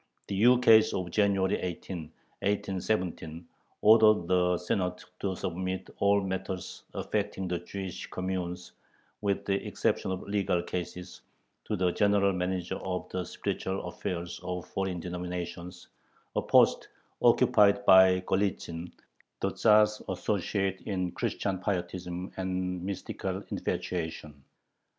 The ukase of January 18, 1817, ordered the Senate to submit all matters affecting the Jewish communes, with the exception of legal cases, to the General Manager of the Spiritual Affairs of Foreign Denominations, a post occupied by Golitzin, the Tzar's associate in Christian pietism and mystical infatuation.